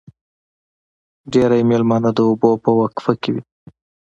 ډېری مېلمانه د اوبو په وقفه کې وي.